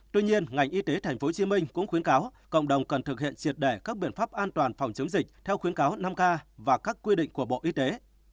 tuy nhiên ngành y tế tp hcm cũng khuyến cáo cộng đồng cần thực hiện triệt đẻ các biện pháp an toàn phòng chống dịch theo khuyến cáo năm k và các quy định của bộ y tế